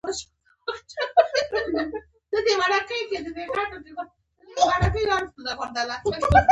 دا ماشین به تباه کوونکې بېکاري رامنځته کړي.